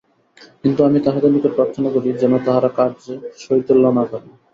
কিন্তু আমি তাঁহাদের নিকট প্রার্থনা করি, যেন তাঁহারা কার্যে শৈথিল্য না করেন।